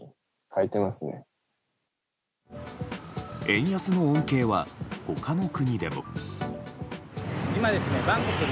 円安の恩恵は、他の国でも。